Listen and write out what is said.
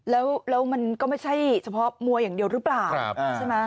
แล้วมันก็ไม่ใช่เฉพาะมัวอย่างเดียวหรือเปล่าใช่ไหม